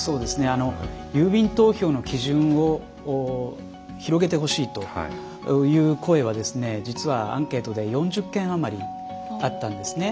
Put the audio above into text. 郵便投票の基準を広げてほしいという声は実はアンケートで４０件余りあったんですね。